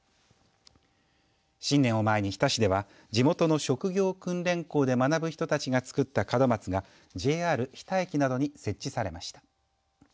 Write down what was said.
新年を前に、日田市では地元の職業訓練校で学ぶ人たちが作った門松がＪＲ日田駅などに設置されました。